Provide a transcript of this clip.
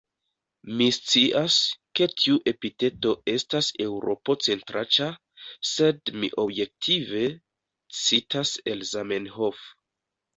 Mi scias, ke tiu epiteto estas eŭropo-centraĉa, sed mi objektive citas el Zamenhof.